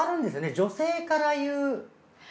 女性から言う。